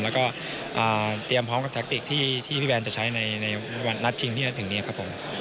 แล้วก็เตรียมพร้อมกับแท็กติกที่พี่แวนจะใช้ในวันนัดชิงที่จะถึงนี้ครับผม